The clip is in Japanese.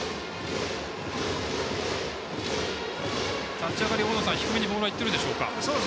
立ち上がり、低めにボールがいってるでしょうか。